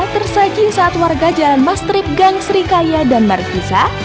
tersajing saat warga jalan mastrip gang srikaya dan marikisa